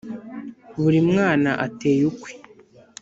Buri mwana ateye ukwe